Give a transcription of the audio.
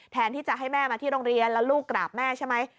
แทนที่จะให้แม่มาที่โรงเรียนแล้วลูกกราบแม่ใช่ไหม